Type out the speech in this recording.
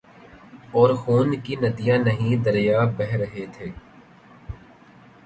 اورخون کی ندیاں نہیں دریا بہہ رہے تھے۔